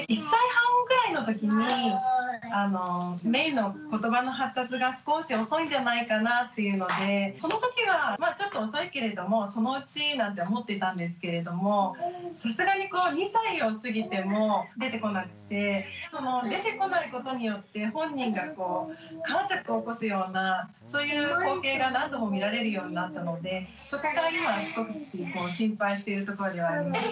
１歳半ぐらいの時にめいのことばの発達が少し遅いんじゃないかなっていうのでその時はちょっと遅いけれどもそのうちなんて思っていたんですけれどもさすがに２歳を過ぎても出てこなくてその出てこないことによって本人がかんしゃくを起こすようなそういう光景が何度も見られるようになったのでそこが今心配してるところではあります。